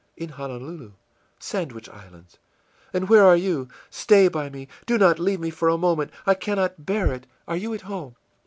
î ìIn Honolulu, Sandwich Islands. And where are you? Stay by me; do not leave me for a moment. I cannot bear it. Are you at home?